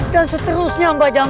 dan seterusnya mbak jamrong